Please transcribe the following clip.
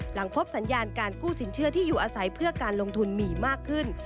หลังพบสัญญาการกู้สินเชื่อที่อยู่อาศัยเพื่อการลงทุนมีมากขึ้น